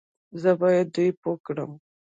زه بايد دوی پوه کړم